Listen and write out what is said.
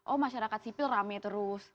oh masyarakat sipil rame terus